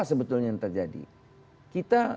sebetulnya yang terjadi kita